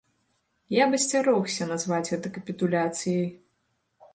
Я б асцярогся назваць гэта капітуляцыяй.